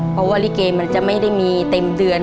เพราะว่าลิเกมันจะไม่ได้มีเต็มเดือน